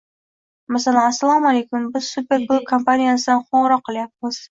Masalan: — Assalomu alaykum, biz Super klub kompaniyasidan qoʻngʻiroq qilyapmiz.